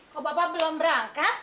kok bapak belum berangkat